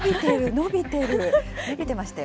伸びてましたよ。